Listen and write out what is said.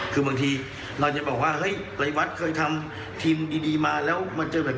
คือบางทีเราจะบอกว่าเฮ้ยไปวัดเคยทำทีมดีมาแล้วมาเจอแบบ